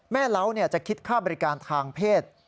เล้าจะคิดค่าบริการทางเพศ